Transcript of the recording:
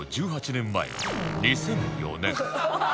１８年前２００４年